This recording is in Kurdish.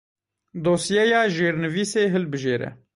Dosyeya jêrnivîsê hilbijêre.